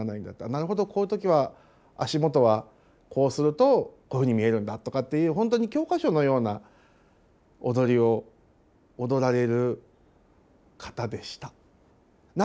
なるほどこういう時は足元はこうするとこういうふうに見えるんだとかっていう本当にそれが教科書じゃないんですよだからね。